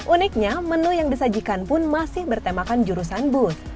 uniknya menu yang disajikan pun masih bertemakan jurusan bus